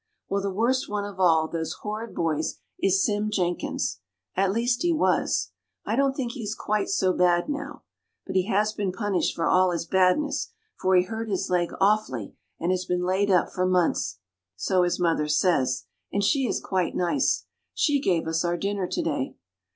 Well, the worst one of all those horrid boys is Sim Jenkins at least he was; I don't think he's quite so bad now. But he has been punished for all his badness, for he hurt his leg awfully, and has been laid up for months so his mother says; and she is quite nice. She gave us our dinner to day.